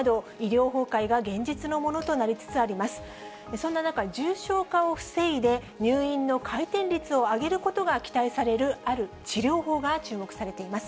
そんな中、重症化を防いで、入院の回転率を上げることが期待される、ある治療法が注目されています。